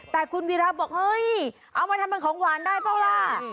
แต่คุณวีระบอกเฮ้ยเอามาทำเป็นของหวานได้เปล่าล่ะ